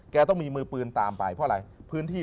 แกต้องมีมือปืนตามไปเพราะอะไร